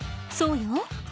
そうよ。